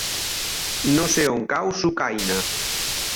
No sé on cau Sucaina.